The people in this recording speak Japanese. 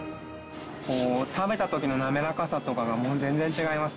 食べた時のなめらかさとかがもう全然違います。